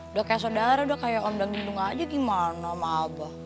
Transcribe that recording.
udah kayak saudara udah kayak om dangdindung aja gimana sama abah